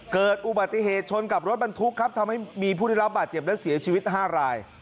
เกิดอุบัติเหตุชนกับรถบรรทุกครับทำให้มีผู้ได้รับบาดเจ็บและเสียชีวิต๕ราย